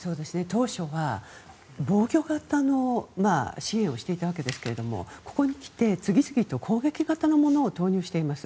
当初は防御型の支援をしていたわけですがここにきて次々と攻撃型のものを投入しています。